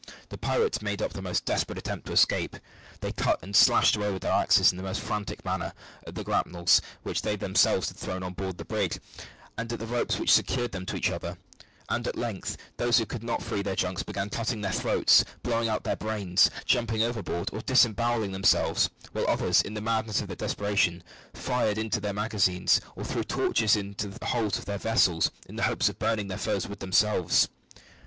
The pirates made the most desperate efforts to escape. They cut and slashed away with their axes in the most frantic manner at the grapnels which they themselves had thrown on board the brig, and at the ropes which secured them to each other, and, at length, those who could not free their junks began cutting their throats, blowing out their brains, jumping overboard, or disembowelling themselves, while others, in the madness of their desperation, fired into their magazines, or threw torches into the holds of their vessels, in the hopes of burning their foes with themselves.